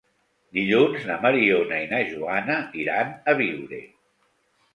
Dilluns na Mariona i na Joana iran a Biure.